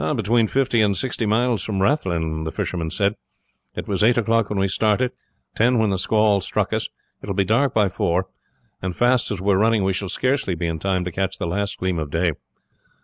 "Between fifty and sixty miles from Rathlin," the fisherman said. "It was eight o'clock when we started, ten when the squall struck us, it will be dark by four, and fast as we are running we shall scarcely be in time to catch the last gleam of day.